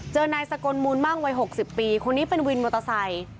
นายสกลมูลมั่งวัย๖๐ปีคนนี้เป็นวินมอเตอร์ไซค์